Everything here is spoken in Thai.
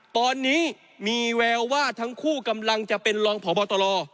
ตอนนี้มีแววว่าทั้งคู่กำลังจะเป็นรองพบตร